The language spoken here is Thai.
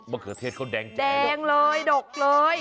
มะเขือเทศเขาแดงแจ๋